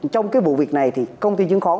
trong cái vụ việc này thì công ty chứng khoán